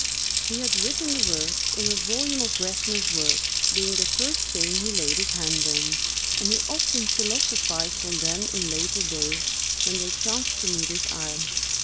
He had written the words in a volume of Gessner's works, being the first thing he laid his hand on; and he often philosophized on them in later days, when they chanced to meet his eye.